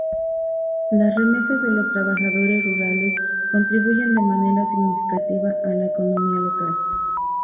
Las remesas de los trabajadores rurales contribuyen de manera significativa a la economía local.